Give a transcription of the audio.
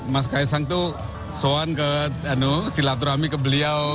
mas kaisang itu soan ke silaturahmi ke beliau